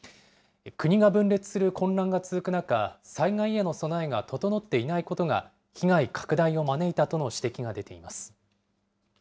国が分裂する混乱が続く中、災害への備えが整っていないことが、被害拡大を招いたとの指摘が出ています。